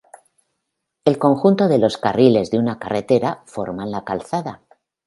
El conjunto de los carriles de una carretera forman la calzada.